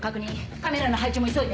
カメラの配置も急いで。